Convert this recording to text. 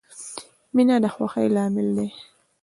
• مینه د خوښۍ لامل دی.